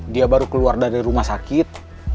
dia baru keluar dari rumah sakit